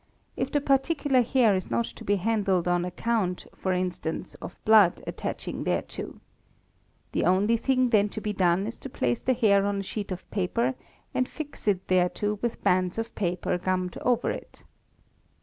If the particular hair is not to be handled on account, for instance, of blood attaching thereto. 'The only thing then to be done is to place — the hair on a sheet of paper and fix it thereto with bands of paper gummed over it (Fig.